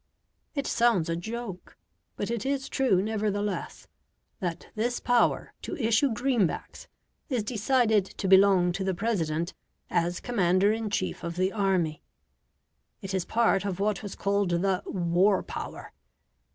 It sounds a joke, but it is true nevertheless, that this power to issue greenbacks is decided to belong to the President as commander in chief of the army; it is part of what was called the "war power".